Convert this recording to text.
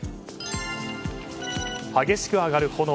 激しく上がる炎。